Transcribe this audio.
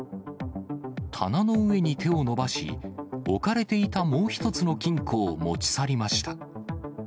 棚の上に手を伸ばし、置かれていたもう一つの金庫を持ち去りました。